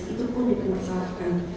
itu pun dipermasalahkan